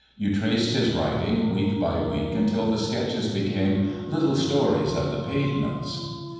You traced his writing week by week until the sketches became "Little Stories of the Pavements."